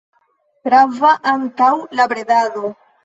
Gravas ankaŭ la bredado.